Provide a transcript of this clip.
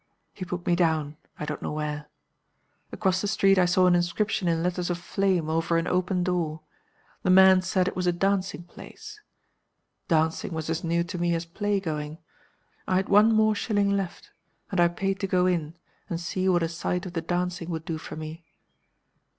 He put me down I don't know where. Across the street I saw an inscription in letters of flame over an open door. The man said it was a dancing place. Dancing was as new to me as play going. I had one more shilling left; and I paid to go in, and see what a sight of the dancing would do for me.